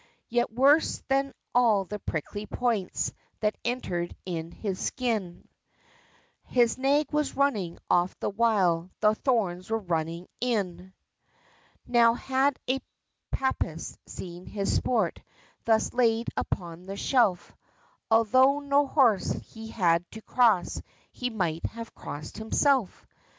Yet worse than all the prickly points That entered in his skin, His nag was running off the while The thorns were running in! Now had a Papist seen his sport, Thus laid upon the shelf, Altho' no horse he had to cross, He might have crossed himself.